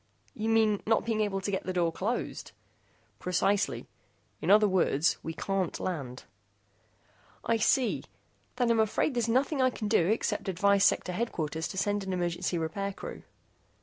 "You mean not being able to get the door closed?" "Precisely. In other words, we can't land." "I see. Then I'm afraid there's nothing I can do except advise Sector Headquarters to send an emergency repair crew."